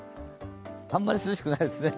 あまり涼しくないですね。